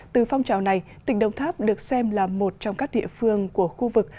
từ phong trào này tỉnh đồng tháp được xem là một trong các địa phương của khu vực